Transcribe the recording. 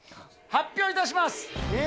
発表いたします。